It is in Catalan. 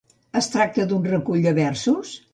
Es tracta d'un recull de versos?